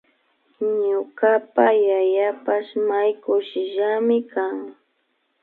Ñukapa yayapash may kushillami kan